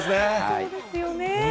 そうですよね。